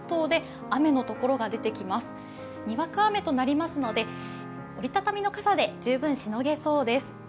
にわか雨となりますので、折り畳みの傘で十分しのげそうです。